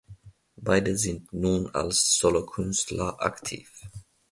Beide sind nun als Solokünstler aktiv.